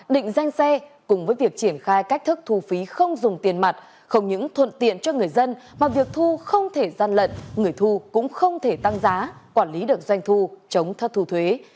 định danh xe cùng với việc triển khai cách thức thu phí không dùng tiền mặt không những thuận tiện cho người dân mà việc thu không thể gian lận người thu cũng không thể tăng giá quản lý được doanh thu chống thất thu thuế